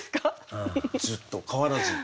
ずっと変わらず。